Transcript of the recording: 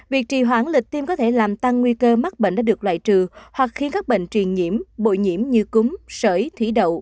việc trì hoãn lịch tiêm có thể làm tăng nguy cơ mắc bệnh đã được loại trừ hoặc khiến các bệnh truyền nhiễm bội nhiễm như cúng sởi thủy đậu